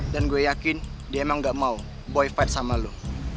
dan gue yakin dia emang gak mau boy fight sama lo